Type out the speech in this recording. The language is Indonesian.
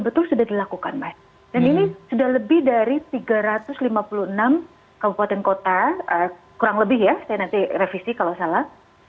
betul sudah dilakukan dan ini sudah lebih dari tiga ratus lima puluh enam kabupaten kota kurang lebih ya saya nanti revisi kalau salah